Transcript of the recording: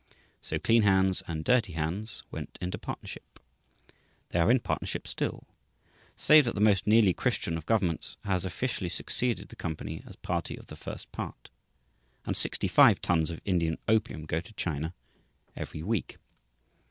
So clean hands and dirty hands went into partnership. They are in partnership still, save that the most nearly Christian of governments has officially succeeded the company as party of the first part. And sixty five tons of Indian opium go to China every week.